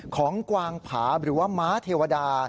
กวางผาหรือว่าม้าเทวดา